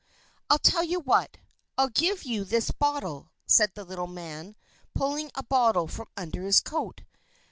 "I'll tell you what, I'll give you this bottle," said the little man, pulling a bottle from under his coat.